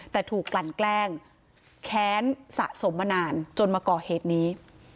แต่ถูกกลั่นแกล้งแค้นสะสมมานานจนมาก่อเหตุนี้